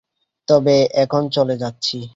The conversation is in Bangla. তবে এখন চলে যাচ্ছি।